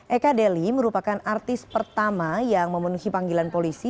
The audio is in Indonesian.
eka deli merupakan artis pertama yang memenuhi panggilan polisi